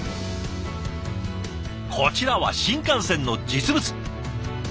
こちらは新幹線の実物。